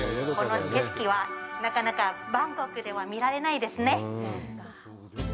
この景色は、なかなかバンコクでは見られないですね。